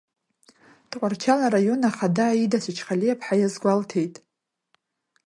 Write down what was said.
Ҭҟәарчал араион Ахада Аида Чачхалиаԥҳа иазгәалҭеит…